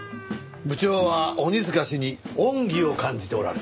部長は鬼塚氏に恩義を感じておられる。